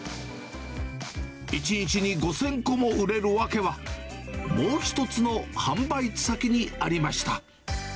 １日に５０００個も売れる訳は、もう一つの販売先にありました。